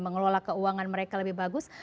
mengelola keuangan mereka lebih bagus